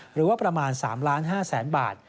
หรือว่าประมาณ๓๕๐๐๐๐บาท